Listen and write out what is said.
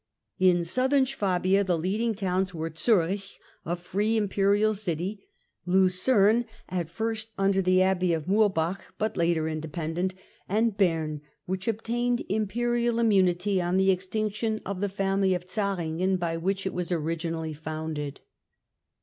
In Southern Swabia the leading towns were Zurich, a free Imperial city ; Lucerne, at first under the Abbey of Murbach but later independent; and Bern which obtained Imperial "immunity" on the extinction of the family of Zarringen by which it was originally founded.